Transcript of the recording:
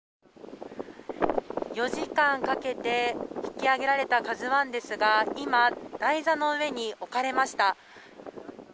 ４時間かけて引き揚げられた「ＫＡＺＵ１」ですが今、台座の上に置かれました。